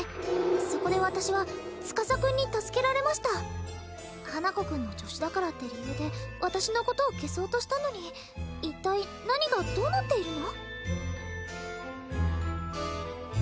そこで私はつかさくんに助けられました花子くんの助手だからって理由で私のことを消そうとしたのに一体何がどうなっているの？